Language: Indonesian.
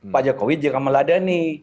pak jokowi tidak meladani